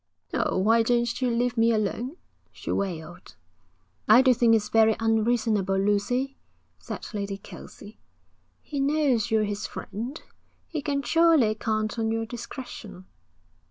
'Oh, why don't you leave me alone?' she wailed. 'I do think it's very unreasonable, Lucy,' said Lady Kelsey. 'He knows you're his friend. He can surely count on your discretion.'